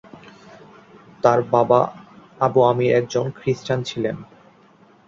তার বাবা আবু আমির একজন খ্রিস্টান ছিলেন।